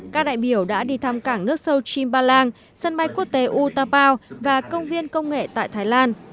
các đại biểu đã đi thăm cảng nước sâu chimbalang sân bay quốc tế utapo và công viên công nghệ tại thái lan